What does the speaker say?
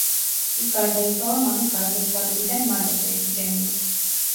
ის გარდაიცვალა მამის გარდაცვალებიდან მალევე ეპიდემიით.